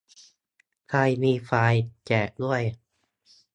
ใครมีไฟล์ แจกด้วย